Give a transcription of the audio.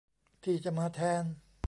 ที่จะมาแทน